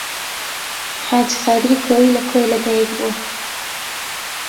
حاجی قادری کۆیی لە کۆیە لەدایک بوو.